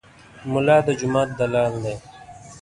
ملا د جومات دلال دی.